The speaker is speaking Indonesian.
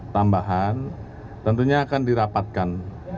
tambahan tentunya akan dirapatkan